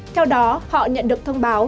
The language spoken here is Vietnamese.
theo đó họ nhận được thông báo